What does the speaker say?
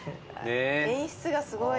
演出がすごい。